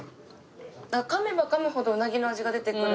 かめばかむほどうなぎの味が出てくる。